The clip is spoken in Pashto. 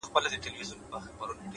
اخلاص د الفاظو اغېز پیاوړی کوي،